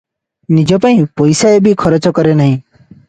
ନିଜପାଇଁ ପଇସାଏ ବି ଖରଚ କରେ ନାହିଁ ।